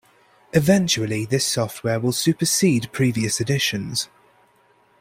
Eventually this software will supersede previous editions.